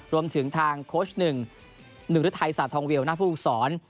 รวมถึงทางโค้ชหนึ่งหนึ่งฤทัยศาสตร์ทองเวียวนักภูมิศร